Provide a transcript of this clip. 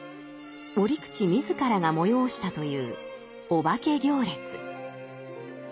折口自らが催したというお化け行列。